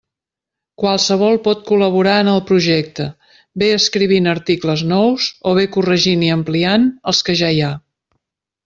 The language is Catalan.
Qualsevol pot col·laborar en el projecte, bé escrivint articles nous, o bé corregint i ampliant els que ja hi ha.